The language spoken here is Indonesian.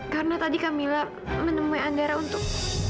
karena tadi kak mila menemui andara untuk